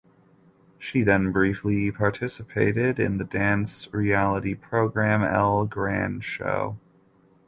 She then briefly participated in the dance reality program "El Gran Show".